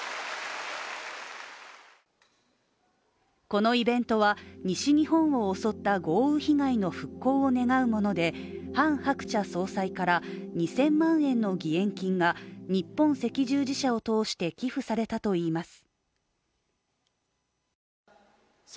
このイベントは、西日本を襲った豪雨被害の復興を願うものでハン・ハクチャ総裁から２０００万円の義援金が日本赤十字社を通して寄付されたといいます。